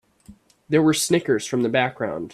There were snickers from the background.